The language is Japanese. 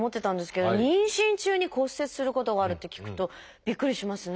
妊娠中に骨折することがあるって聞くとびっくりしますね。